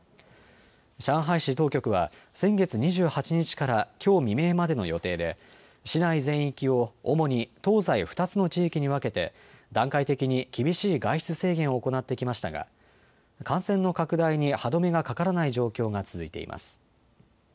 上海市当局は先月２８日からきょう未明までの予定で市内全域を主に東西２つの地域に分けて段階的に厳しい外出制限を行ってきましたが感染の拡大に歯止めがかからない状況が続いています。